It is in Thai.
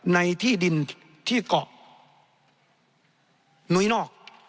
ในที่ดินที่เกาะนุ้ยนอก